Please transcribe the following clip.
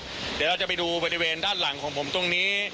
เดี๋ยวเราจะไปดูบริเวณด้านหลังของผมตรงนี้